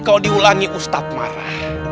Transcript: kalau diulangi ustaz marah